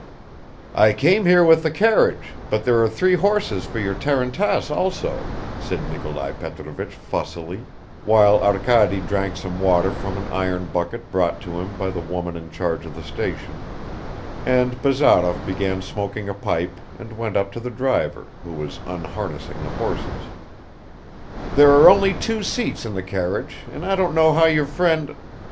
"I came here with the carriage, but there are three horses for your tarantass also," said Nikolai Petrovich fussily, while Arkady drank some water from an iron bucket brought to him by the woman in charge of the station, and Bazarov began smoking a pipe and went up to the driver, who was unharnessing the horses. "There are only two seats in the carriage, and I don't know how your friend